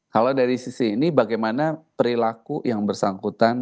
kalau dari sisi ini bagaimana perilaku yang bersangkutan